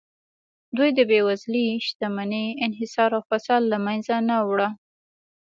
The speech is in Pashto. دوی د بېوزلۍ، شتمنۍ انحصار او فساد له منځه نه وړه